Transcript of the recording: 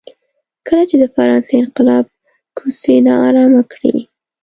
کله چې د فرانسې انقلاب کوڅې نا ارامه کړې.